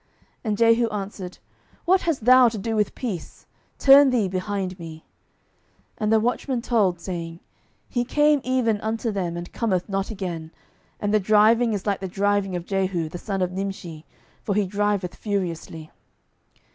And Jehu answered, What hast thou to do with peace? turn thee behind me. 12:009:020 And the watchman told, saying, He came even unto them, and cometh not again: and the driving is like the driving of Jehu the son of Nimshi; for he driveth furiously.